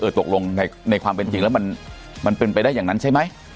ตกลงในความเป็นจริงแล้วมันเป็นไปได้อย่างนั้นใช่ไหม